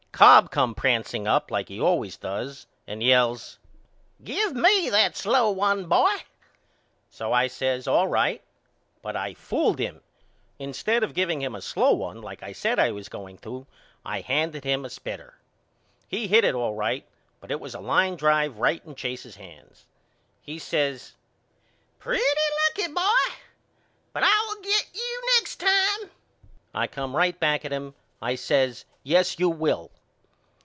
Cobb came pranceing up like he always does and yells Give me that slow one Boy. So I says All right. But I fooled him Instead of giveing him a slow one like I said I was going I handed him spitter. He hit it all right but it was a line drive right in Chase's hands. He says Pretty lucky Boy but I will get you next time. I come right back at him. I says Yes you will.